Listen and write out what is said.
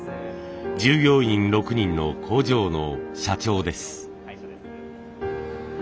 従業員６人の工場の社長です。